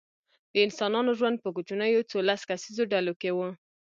د انسانانو ژوند په کوچنیو څو لس کسیزو ډلو کې و.